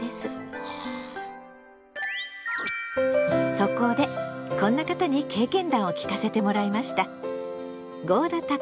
そこでこんな方に経験談を聞かせてもらいました。